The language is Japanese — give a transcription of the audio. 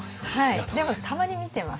でもたまに見てます。